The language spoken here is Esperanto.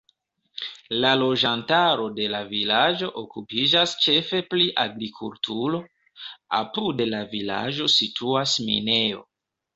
La loĝantaro de la vilaĝo okupiĝas ĉefe pri agrikulturo; apud la vilaĝo situas minejo.